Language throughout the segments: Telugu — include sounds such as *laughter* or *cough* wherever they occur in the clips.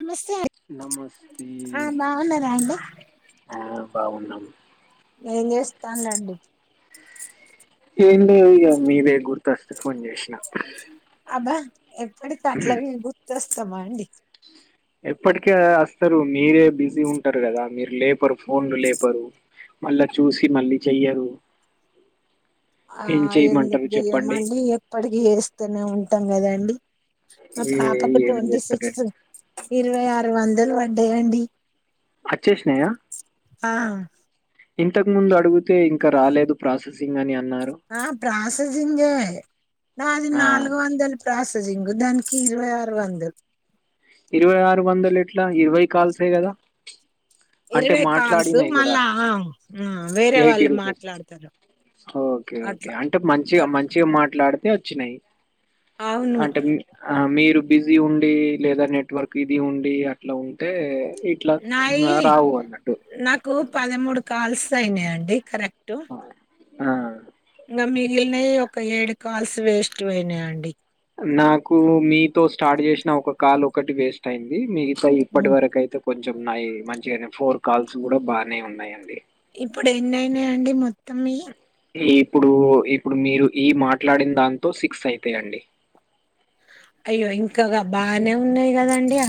నమస్తే అండి నమస్తే అ బాగున్నారా అండి బావున్నా ఏం చేస్తానండి ఏం లే ఇక మీరే గుర్తొస్తే ఫోన్ చేసిన అబ్బా ఎప్పటికి అట్లా గుర్తుస్తుంది మండి ఎప్పటిక వస్తారు మీరే బిజీ ఉంటారు కదా మీరు లేపరు ఫోన్లు లేపరు మళ్ళా చూసి మళ్ళీ చెయ్యరు ఆ ఏం ఎందుకు చేయమంటారు చెప్పండి చేయమండి ఎప్పటికి చేస్తూనే ఉంటం గదండీ మా ఏ పాపకు ఏం ట్వంటీ చెప్తారు సిక్స్త్ ఇరవై ఆరు వంద ఎలు పడ్డా అండి అచ్చేసినాయ ఇంతకు ముందు అడుగు తే ఇంకా రాలేదు ప్రాసెస్ తిన్ననీ ఆ ప్రాసెస్ హింగే ఆ నాల్గు వందల్ ప్రాసెస్ జింగు దానికి ఇరవై ఆరు వందలు ఇరవై ఆరు వందలు ఎట్ల ఇరవై కాల్సే కదా అంటే ఇరవై కాల్స్ మాట్లాడినాయి కూడా మళ్ళా ఆ వేరే ఎయిటీ వాళ్ళు రూపీస్ మాట్లాడతారు ఒకే ఒకే అట్లా అంటే మంచి మంచిగా మాట్లాడి వచ్చి నై అవును అంటే మీరు బిజీ ఉండే లేదా నెట్వర్క్ ఇది ఉండి అట్లా ఉంటే ఇట్లా నాయి ఆహ్, రావు అన్నట్టు. నాకు పదమూడు కాల్స్ సైనాయండి కరె టు ఆ! ఆ ఇంకా మిగిలినవి ఒక ఏడు కాల్స్ వేస్ట్ పోయినాయండి నాకు మీతో స్టార్ట్ చేసిన ఒక కాల్ ఒకటి వేస్ట్ అయింది మీ కై ఇప్పటి హ్మ్. వరకయితే కొంచెంనయి మంచిగానే ఫోర్ కాల్స్ కూడా బాగానే ఉన్నాయండి ఇప్పుడు ఎన్నయినాయి అండి మొ తం మి యి ఇప్పుడు ఇప్పుడు మీరు ఈ మాట్లాడిన దాంతో సిక్స్ అయితాయండి అయ్యో ఇంకా బాగనే ఉన్నాయి కదండి అ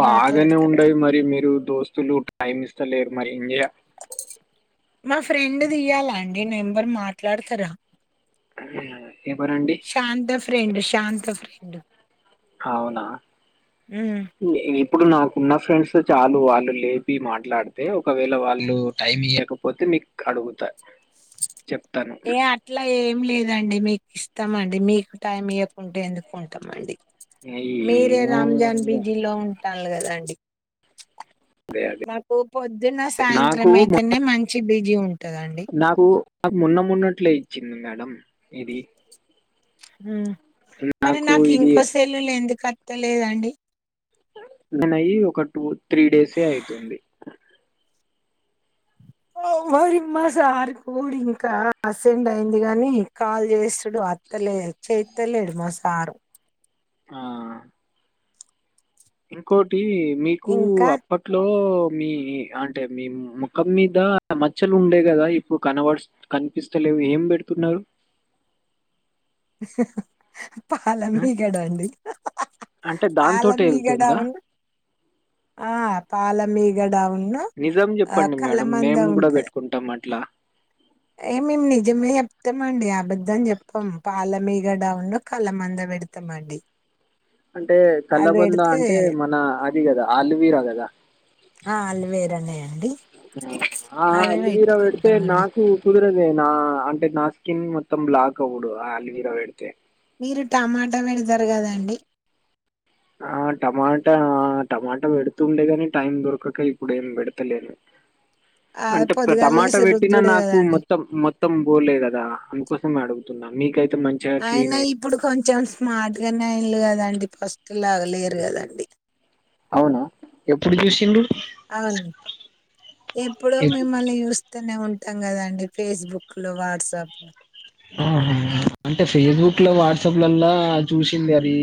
బాగానే ఉండయి మరి మీరు దోస్ స్తులు టైమ్ ఇస్తలేరు మరి ఇం మా ఫ్రెండ్ దియాల అండి నెంబరు మాట్లాడతరా ఎవరండి? శాంత ఫ్రెండ్ శాంత ఫ్రెండ్ అవునా హ్మ్. ఇప్పుడు నా కు ఉన్న ఫ్రెండ్స్ ఎ చాలు వాళ్ళు లేపి మాట్లాడితే ఒకవేళ వాళ్ళు టైం ఇయకపోతే మీకు అడుగుతా చెప్ ఏ అట్లా ఏం లేదు దండి మీకు ఇస్తామండి మీకు టైం ఇయ్యకుంటే ఎందుకు ఉంటాం అండి మీరే ఏమో రాంజాన్ బీజి లో ఉంటన్లు కదాండి అదే అదే నాకు పొద్దున్న నాకు సాయంత్రం మొ- అయితేనే మం చి బిజీ ఉంటదండి. నాకు నాకు మొన్న మొన్నట్లే ఇచ్చింది మేడం ఇది ఉమ్ మరి నాకు ఇంకో సెల్లులు ఎందుకత్ తలేదండి నేనయి ఒక టూ త్రీ డేసే అయితుంది మరిమ్మా సారు కూడా ఇంకా అసెండ్ అయింది గాని కాల్ చేస్తాడు అత్తలే చేత్తలేడు మా సారు ఆ ఇంకో మీకు ఇంకా అప్పట్లో మీ అంటే మీ ముఖం మీద మచ్చలు ఉండే కదా ఇప్పుడు కనబడు కనిపిస్తలేవు ఏం పెడుతున్నారు ఆ? పాలమగడ అండి అంటే దాంతోటే పాలమగడ వెళ్తుందా ఉ ఆ పాల మిగడా నిజం చెప్పండి మేడం మేము కూడా ఉంటది. పెట్టుకుంటాం అట్లా ఏ మేము నిజమే చెప్తామండి అబద్దం చెప్పాం పాల మీగడా ఉన్న కళ్ళ మంద పెడతామండి అంటే అది కల్లబంద అంటే పెడితే మన అది కదా అల్లువీరా కదా ఆ అల్వేరానే అండి ఆ అదే అల్లువీరా పెడితే పెట్టుకుంటామండి నాకు కుదరదే నా అంటే నా స్కిన్ మొత్తం బ్లాక్ అవ్వడు ఆ అల్వీరా పెడితే మీరు టమాటా పెడతారు కదండి ఆ టమాటా టమాటా పెడుతుండేగాని టైం దొరకక ఇప్పుడు ఏం పెడతలేను ఆ అంటే టమాటా పొదుగాలేసి పెట్టినా రుద్దుడే నాకు కదండి మొత్తం మొత్తం బోలేదు కదా అను కోసమే అడగుతున్నా మీ కై ఆయన ఇప్పుడు కొంచెం స్మార్ట్ గానే అయి కదండిస్తు లాగా లేరు కదండి అవునా ఎప్పుడు చూసిండు అవును ఎప్పుడో ఎప్ మిమ్మల్ని చూస్ చూస్తనే ఉంటాం కదాండి ఫేస్బుక్ లో వాట్సాప్ లో ఆహా అంటే ఫేస్బుక్ లో వాట్సాప్ లలా చూసింది అది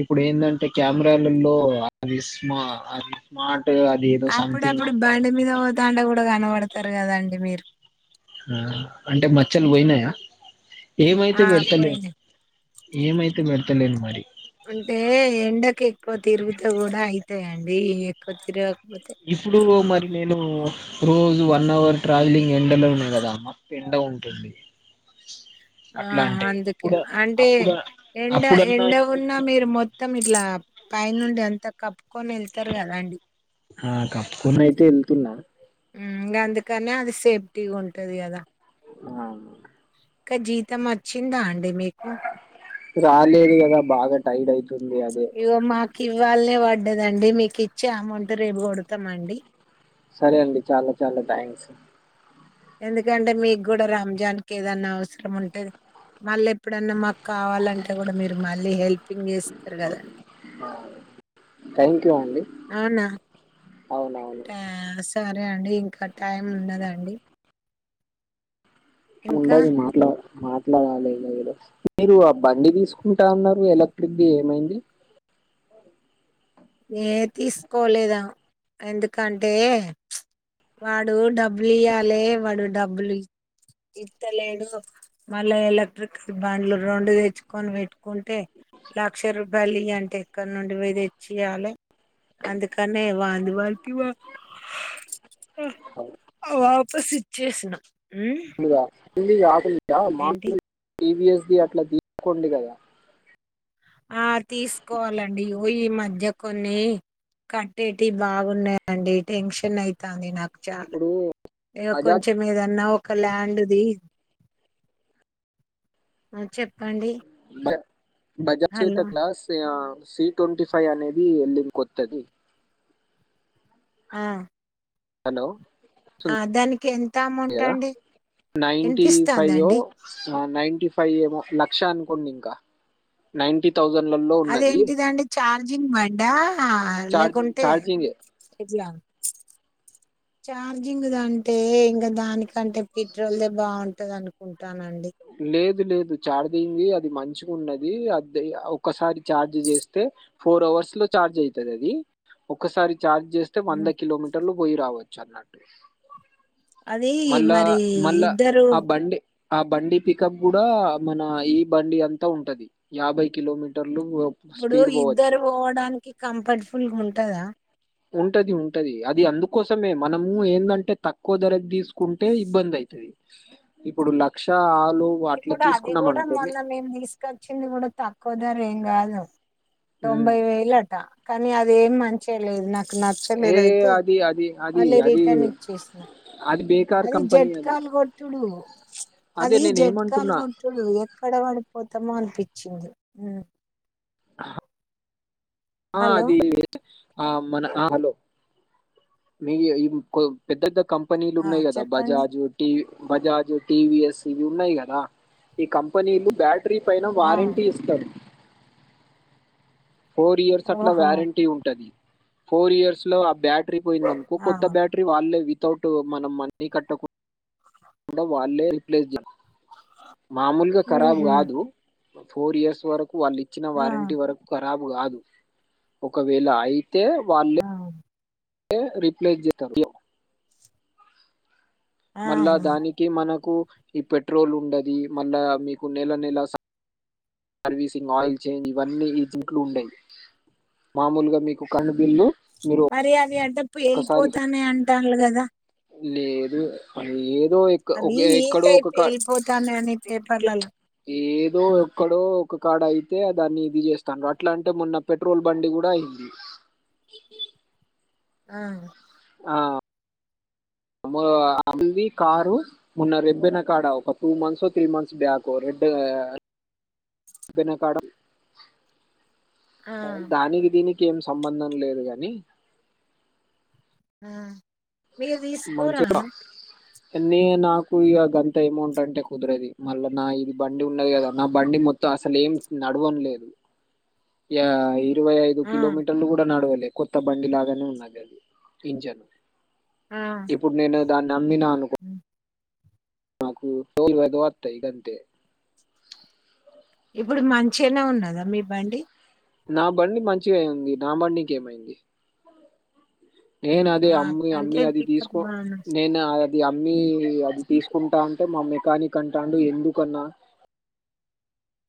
ఇప్పుడు ఏంటంటే కెమెరాలలో అది స్మా అది స్మార్ట్ అది ఏదో సంథింగ్ అప్పుడప్పుడు అంటారు బండి మీద కదా! పోతాంటే కూడా కనపడదు చెత్తారు కదండి మీరు ఆ అంటే మచ్చలు పోయినాయా ఏమైతే ఆ పెడతలే పోయినా ఏమ అయితే పెడ తెలియదు మరి అంటే ఎండకి ఎక్కువ తిరుగుతే కూడా అయితాయండి ఎక్కువ తిరుగ ఇప్పుడు మరి నేను రోజు వన్ అవర్ ట్రావెలింగ్ ఎండలో నే కదా ఎండ ఉంటుంది ఆ అట్లా అంటే అందుకే అప్పుడు అంటే అప్పుడు ఎండ అప్పుడన్నా ఎండ ఇంట్లో ఉన్నా ఇంట్లోనే మీరు మొత్తం ఇట్లా పై నుండి ఎంత కప్పు ఆ కప్పుకునయితే ఎళ్తున్నా హమ్ గందుకనే అది సేఫ్టీగ్ ఉంటది కదా ఆ ఇక జీతం వచ్చిందా అండి మీకు రాలేదు కదా బాగా టైట్ అయిత్ ఇగో మాక్ ఇవ్వాళే వడ్ ఉండదండి, మీకు ఇచ్చే అమౌంట్ రేపు కొడతం అండి. సరే అండి, చాలా చాలా థ్యాంక్స్. ఎందుకంటే మీగ్గూడ రంజాన్ కేదన్నా అవసరం ఉంటది, మల్లెప్ ప్పుడన్నా మాకు కావాలంటే కూడ మీరు మళ్ళీ హెల్పింగ్ చేస్తరు కదండి. థ్యాంక్ యూ అండి అవునా అవునవును ట్యాంక్స్ సరే అండి ఇంకట్ టైం ఉన్నదా అండి? ఉండదు మాట్లాడ్ మాట్లాడాలి ఇగ ఏదొ, మీరు ఆ బండి తీసుకుంట అన్నరు ఎలక్ట్రిక్ది ఏమైంది? ఏ తీసుకోలేదు ఎందుకంటే వాడు డబ్బులు ఇయ్యాలె, వాడు డబ్బులు ఇ ఇత్తలేడు. మళ్ళా ఎలక్ట్రికల్ బండ్లు రెండు తెచ్చుకొని పెట్టుకుంటే లక్ష రూపాయలు ఇయ్యంటే ఎక్కడ నుండి చియ్యాలె, అందుకనే వాంది వాడికి ఇవ్వ తొసిచ్చేసిన *inaudible* ఉంది ఇగ ఆకలి ఏంటి *unintelligible* టీ వి ఎస్ ఇది అట్లా తీసుకోండి కదా. ఆ అట్ తీసుకోవాలండి, ఇగ పొయ్యి మ ధ్య కొన్ని కట్టేటి బాగున్నయండి, టెన్షన్ అయితాంది నాకు. ఇప్పుడు ఇగ బజాజ్ కొంచెం ఏదన్ ఉన్న ఒక ల్యాండ్ ది, ఆ చెప్పండి? ఇ బజాజ్ హలో చేతక్ లా సియా సి ట్వంటీ ఫైవ్ అనేది ఎల్లింది కొత్తది. ఆ హలో ఆ దానికి ఎంత స్తుంది అమౌంట్ గదా, అండి నైన్టీ ఫైవ్ ఓ వినిపిస్తాందండి ఆ నైన్టీ ఫైవ్ ఏమో లక్ష అనుకోండి ఇంకా, నైన్టి అదేంటిదండి చార్జింగ్ బండా? ఛార్జ్ లేకుంటే ఛార్జింగ్ ఇట్లా చార్జింగ్ దంటే ఇంకా దానికంటే పిట్రోల్ దె బాగుంటది అనుకుంట్ టానండి. లేదు లేదు ఛార్జింగ్ ది అది మంచిగున్నది, అదే ఒకసారి చార్జ్ చేస్తే ఫోర్ అవర్స్ లో ఛార్జ్ అయితదది ఒకసారి ఛార్జ్ చేస్తే వంద కిలోమీటర్లు పోయి రావచ్. చర్మినార్ ట్రీస్ అదీ మరి ఇద్దరు అబ్ బండి పికప్ కూడా మన ఈ బండి అంత ఉంటది, యాభై కిలోమీటర్ పర్ ఇప్పుడు ఇద్దరు పోవడానికి కంఫర్టపుల్ గున్ టదా ఉంటది ఉంటది అది అందుకోసమే మనము ఏందంటే తక్కువ ధరకు తీసుకుంటే ఇబ్బంది అయితది ఇప్పుడు లక్షఆ ఇప్పుడు అది కూడా మొన్న మేము తీసుకొచ్చింది కూడా తక్కువ ధర ఏం కాదు ఉమ్. తొంభై వేలట కానీ అదేం మం మంచే లేదు నాక్ ఏ నచ్చలేదుయితే అది అది అది మళ్ళీ అది రిటర్న్ ఇచ్చేసిన అది బేకార్ అది కంపెనీ అది జట్కాలు కొట్టుడు అదే అది నేను జట్ ఏమంటున్నా *unintelligible* ఎక్కడ పడిపోతామో అనిపించింది ఉ హ ఆ హలో అది ఆ మన ఆ హలో మీ ఈ *inaudible* పెద్ద ద్ద కంపెనీలు ఆ ఉన్నాయి కదా చెప్పండి బజాజ్ ఒట్టి బజాజ్ టి వి ఎస్ ఇవి ఉన్నాయి కదా ఈ కంపెనీలు బ్యా ట్రీ పైన ఆ వారంటీ ఇస్తాడు ఫోర్ ఇయర్స్ అట్లా ఓహో వ్యారంటీ ఉంటది ఫోర్ ఇయర్స్ లో ఆ బ్యా టరీ పోయింది అనుకో ఆ కొత్త బ్యాటరీ వాళ్ళలే వితౌట్ మనం మన్నీ కట్టకు కూడా వాళ్ళే రిప్లేస్ చే మామూలుగా ఖరాబు ఉహు, కాదు ఫోర్ ఇయర్స్ వర్ వాళ్ళు ఇచ్చిన ఆ వారంటీ వరకు ఖరాబ్ కాదు ఒకవేళ ఐ తే వాళ్లే ఆ, తే రీప్లేస్ జెత్తరు *inaudible* మళ్ళా ఆహా. దానికి మనకు ఈ పెట్రోల్ ఉండది మళ్ళా మీకు నెల నెల స సర్వీసింగ్ ఆయిల్ చేంజ్ ఇవన్నీ విజిట్లు ఉండై మామూలుగా మీకు కరెంట్ బిల్లు మీరు అరే అవి ప్పు ఒక్కసారి వెళ్ళిపోతానే అంటన్లు కదా లేదు ప *inaudible* అవి ఈ టైప్ వెళ్ళిపోతానని పేపర్లలో ో ఎక్కడో ఒక కాడ అయితే దాన్ని ఇది చేస్తాను అట్లాంటే మొన్న పెట్రోల్ బండి కూడా అయింది ఆ ఆ మా అల్వి కారు మొన్న రిబ్బెన కాడ ఒక టూ మంత్స్ త్రీ మంత్స్ బ్యాకు రెడ్ బెనకాడ ఆ, దానికి దీనికి ఏం సంబంధం లేదు గాని ఆ మీరు తీసుకోరా నేనాకు ఇక అంత ఏమౌంట్ అంటే కుదరది మళ్ళా నా ఇది బండి ఉన్నది కదా నా బండి మొత్తం అసలు ఏం నడవడం లేదు యా ఇరవై ఐదు ఆ, కిలోమీటర్లు కూడా నడవదు కొత్త బండి లాగానే ఉన్నది అది ఇంజన్ ఆ. ఇప్పుడు నేను నమ్మినా అనుకో నాకు టోల్ వ్యధవార్త ఇదంతే ఇప్పుడు మంచిగనే ఉన్నదా మీ బండి నా బండి మంచిగా అయింది నా బండికేమైంది నేను అదే ఆ, అమ్మి అమ్మీ అంటే అది పికప్ తీసుకో బాగా నేను ఇదమ్మీ అది తీసుకుంటా అంటే మా మెకానిక్ అంటాండు ఎందుకన్నా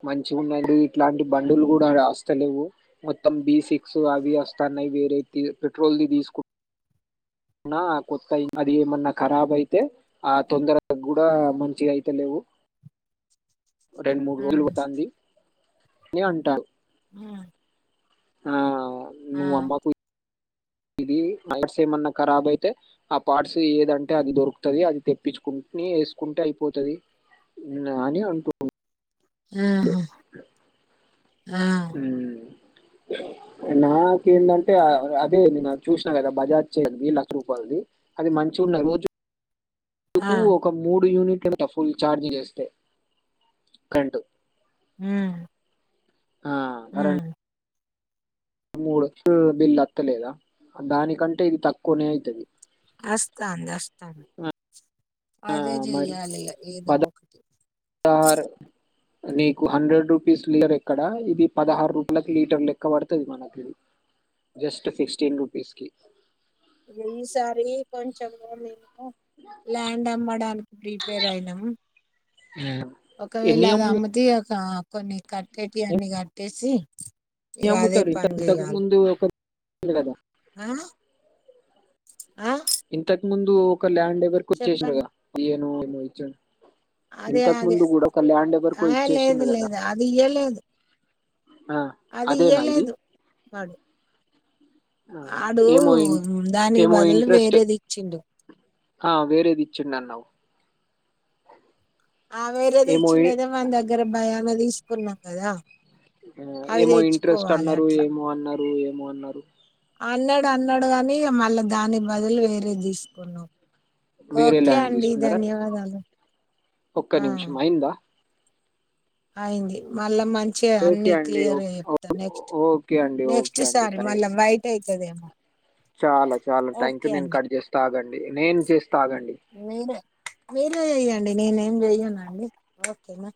మంచిగున్నది ఇట్లాంటి బండులు కూడా రాస్తలేవు మొత్తం బీ సిక్స్ అవి వస్తాన్నాయి వేరే పెట్రోల్ది తీసుకు అనా కొత్త అయి అది ఏమన్నా ఖరాబ్ అయితే ఆ తొందరగా ఆ మంచిగా అయితలేవు రెండు, మూడు రోజులు ఉమ్, పోతంది ఏమంటా మ్మ్ ఆ ఔ ను మమ్మకు ఇది నైట్స్ ఏమన్నా ఖరాబ్ అయితే ఆ పార్ట్స్ ఏదంటే అది దొరుకుతది అది తెప్పించుకుని వేసుకుంటే అయిపోతది అని అంటురు మ్మ్ హ్మ్ ఆ ఎలా ఏంటంటే అదేంది నాకు చూసినా కదా బజాజ్ చేయండి లక్ష రూపాయలది అది మంచిగా ఉన్నాయి రోజు ఆ అందుకు ఒక మూడు యూనిట్ కాకపోతే ఫుల్ చార్జి చేస్తే కరెంట్ మ్మ్ ఆ ఆ రన్ మూడు వచ్చి బిల్ అత్తలేదా దానికంటే ఇది తక్కువనే అయితది వస్తాంది వస్తాంది ఆ! అదే చెయాలి ఏదో ఒక ర్ నీకు హండ్రెడ్ రూపీస్ లీటర్ ఎక్కడ ఇది పదహారు రూపాలకు లీటర్ లెక్క పడతది మనకి జస్ట్ ఫిక్స్టీన్ రూపీస్కి ఎన్ని సార్లు కొంచెం *unintelligible* ల్యాండ్ అమ్మడానికి ప్రిపేర్ అయినాం హ్మ్. ఒకవేళ ఎన్ని అది అమ్ము అమ్ముతే ఇగ ఆ కొన్ని కట్టేకి అన్ని కట్టేసి న ఇగ అదే అమ్ముతారు త పని తగ చేయాలి ముందు ఉంది గదా! ఆ ఆ ఇంతకు ముందు ఒక ల్యాండ్ దగ్గరకి వచ్చేసిండే చెప్పండి గద మళ్ళీ ఎనో నేచర్ అదే అదే ఎవరికో ఆ ఇచ్చేసిండు లేదు కదా లేదు అది ఇయ్యలేదు ఆ అది అదేనా ఇది ఇయ్యాలేదు మాది ఆ ఏమో ఇ దానికి ఏమో బదులు ఇంట్రెస్ట్ వేరేది ఇచ్చిండు ఆ వేరేది ఇచ్చిండు అన్నావు ఆ వేరేది ఏమో ఇ- ఇచ్చినదే మన దగ్గర భ *unintelligible* తీసుకున్నాం కదా ఆ అవి ఏమో ఇంట్రెస్ట్ తెచ్చుకోవాలి అన్నారు అట్లా ఏమో అన్నారు ఏ మో అన్నారు అన్నాడు అన్నాడు కాని ఇగ మళ్ళా దాని బదులు వేరే తీసుకున్నాం వేరే ఓకే ల్యాండ్ అండి తీసుకున్నారా ధన్యవాదాలు ఒక్క ఆ నిమిషం అయిందా అయింది మా మళ్ళ మంచిగా ఓకే అన్ని అండి ఓ- క్లియర్ గా చెప్త నెక్స్ట్ ఓకే అండి నెక్స్ట్ ఓకే అండి సారి మళ్ళ థ్యాంక్ వైట్ అయి తదేమో చాలా చాలా థ్యాంక్ యూ నేను కట్ చేస్తా ఆగండి నేను చేస్తా ఆగండి నేనే ఏం చెయ్యనండి ఓకేనా